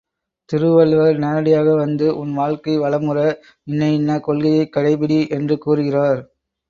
திருவள்ளுவர் நேரடியாக வந்து உன் வாழ்க்கை வளமுற இன்ன இன்ன கொள்கையைக் கடைப்பிடி என்று கூறுகிறார்.